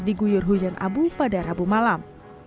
diguyur hujan abu pada rabu malam